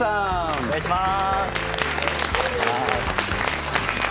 お願いします。